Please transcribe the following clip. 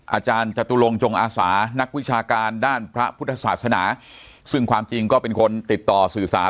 อาจารย์จตุลงจงอาสานักวิชาการด้านพระพุทธศาสนาซึ่งความจริงก็เป็นคนติดต่อสื่อสาร